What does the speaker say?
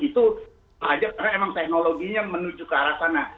itu aja karena emang teknologinya menuju ke arah sana